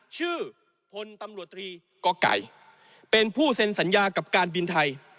ชื่อพตกเป็นผู้เซ็นสัญญากับการบินไทย